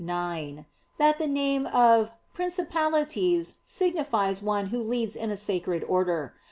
ix) that the name of "Principalities" signifies "one who leads in a sacred order."